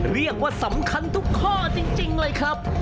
เรียกว่าสำคัญทุกข้อจริงเลยครับ